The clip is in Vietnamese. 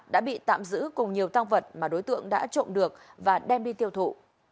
đã bị tạm giữ cùng nhiều tăng vật mà đối tượng đã trộm được và đem đi tiêu thụ